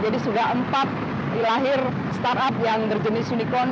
jadi sudah empat lahir startup yang berjenis unicorn